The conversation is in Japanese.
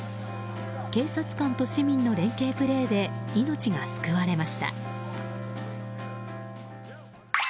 警察官の市民の連係プレーで命が救われました。